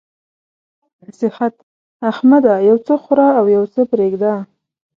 نصيحت: احمده! یو څه خوره او يو څه پرېږده.